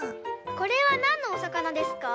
これはなんのおさかなですか？